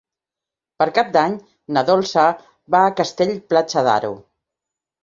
Per Cap d'Any na Dolça va a Castell-Platja d'Aro.